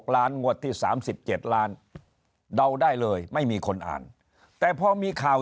ล้านงวดที่๓๗ล้านเดาได้เลยไม่มีคนอ่านแต่พอมีข่าว